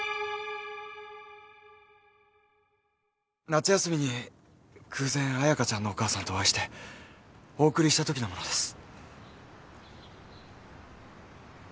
夏休みに偶然彩香ちゃんのお母さんとお会いしてお送りしたときのものです。